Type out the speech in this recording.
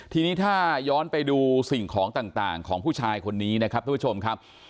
ทีนี้ถ้าย้อนไปดูสิ่งของต่างของผู้ชายคนนี้นะครับทุกผู้ชมครับ